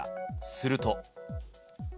すると。